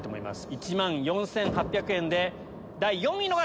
１万４８００円で第４位の方！